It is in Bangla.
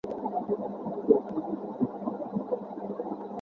এখন প্রকৃতিতে দুষ্প্রাপ্য।